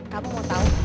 kamu mau tahu